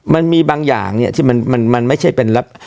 มันมีบางอย่างเนี่ยที่มันไม่ใช่เป็นแล้ว